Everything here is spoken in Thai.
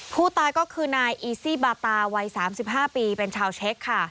ผู้ตายก็คือนายอีซี่บาตาวัย๓๕ปีเป็นชาวเช็คค่ะ